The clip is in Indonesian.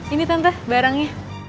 ini tante barangnya